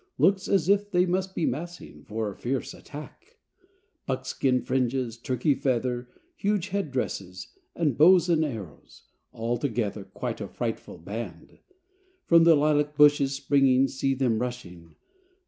Looks as if they must be massing For a fierce attack! Buckskin fringes, turkey feather Huge head dresses and Bows and arrows, altogether Quite a frightful band! From the lilac bushes springing, See them rushing!